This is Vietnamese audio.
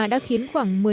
đã khiến khoảng